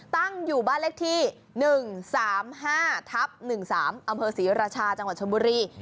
ตั้งอยู่บ้านเลขที่๑๓๕ทับ๑๓อำเภอศรีราชาจังหวัดชนบุรี